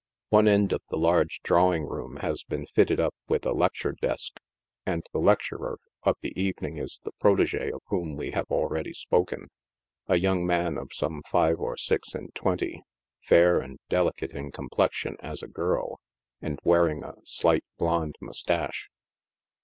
One end of the large drawing room has been fitted up witli a lec ture desk, and the lecturer of the evening is the protege of whom we have already spoken — a young man of some five or six and twenty, fair and delicate in complexion as a girl, and wearing a slight blonde moustache.